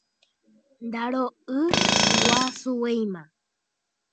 Ndaro'yguasuvéima.